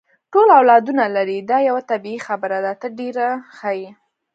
ټول اولادونه لري، دا یوه طبیعي خبره ده، ته ډېره ښه یې.